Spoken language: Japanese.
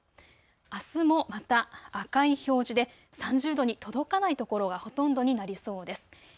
あすもまた赤い表示で３０度に届かないところがほとんどになりそうです。